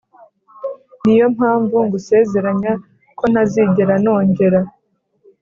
niyo mpamvu ngusezeranya ko ntazigera nongera